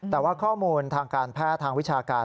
แต่ว่าข้อมูลทางการแพทย์ทางวิชาการ